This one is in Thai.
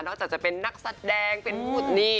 นอกจากจะเป็นนักแสดงเป็นหุดนี่